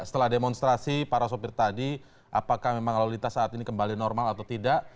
setelah demonstrasi para sopir tadi apakah memang lalu lintas saat ini kembali normal atau tidak